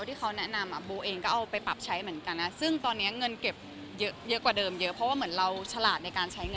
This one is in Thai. ผู้ใหญ่คุยกันแล้วค่ะคือทั้งแม่โบเหมือนกัน